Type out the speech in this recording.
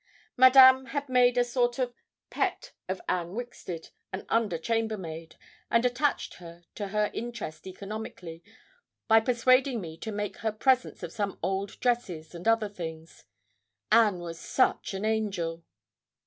Madame had made a sort of pet of Anne Wixted, an under chambermaid, and attached her to her interest economically by persuading me to make her presents of some old dresses and other things. Anne was such an angel!